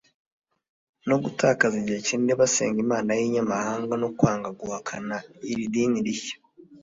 no gutakaza igihe kinini basenga Imana y’inyamahanga no kwanga guhakana iri dini rishya